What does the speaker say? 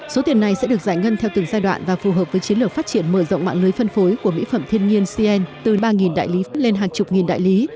số tiền này sẽ được giải ngân theo từng giai đoạn và phù hợp với chiến lược phát triển mở rộng mạng lưới phân phối của mỹ phẩm thiên nhiên cn từ ba đại lý lên hàng chục nghìn đại lý